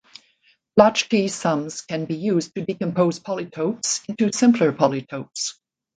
Blaschke sums can be used to decompose polytopes into simpler polytopes.